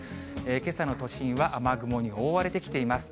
けさの都心は雨雲に覆われてきています。